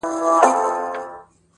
د غرمې پر مهال ږغ د نغارو سو٫